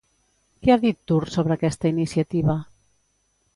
Què ha dit Tur sobre aquesta iniciativa?